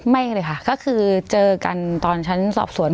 ไม่เลยค่ะก็คือเจอกันตอนชั้นสอบสวน